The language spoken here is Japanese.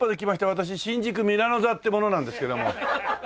私新宿ミラノ座っていう者なんですけども。